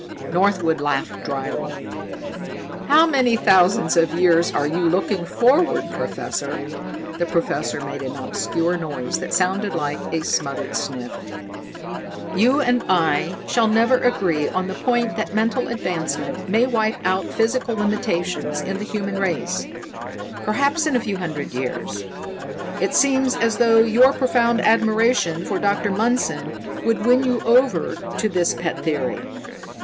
Northwood laughed dryly. "How many thousands of years are you looking forward, Professor?" The professor made an obscure noise that sounded like a smothered sniff. "You and I shall never agree on the point that mental advancement may wipe out physical limitations in the human race, perhaps in a few hundred years. It seems as though your profound admiration for Dr. Mundson would win you over to this pet theory."